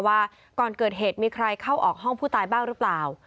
ว่าก่อนเกิดเหตุมีใครเข้าออกห้องผู้ตายบ้างหรือเปล่า